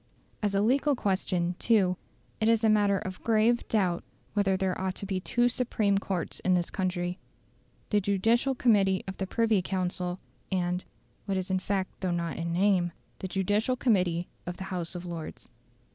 As a legal question, too, it is a matter of grave doubt whether there ought to be two supreme courts in this country the Judicial Committee of the Privy Council, and (what is in fact though not in name) the Judicial Committee of the House of Lords.